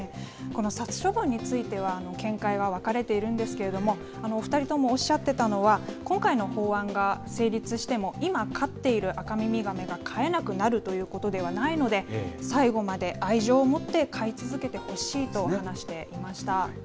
この殺処分については、見解が分かれているんですけれども、お２人ともおっしゃってたのは、今回の法案が成立しても、今、飼っているアカミミガメが飼えなくなるということではないので、最後まで愛情を持って飼い続けてほしいと話していました。